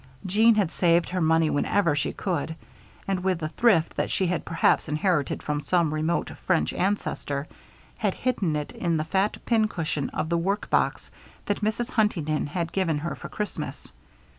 Jeanne had saved her money whenever she could, and, with the thrift that she had perhaps inherited from some remote French ancestor, had hidden it in the fat pincushion of the work box that Mrs. Huntington had given her for Christmas.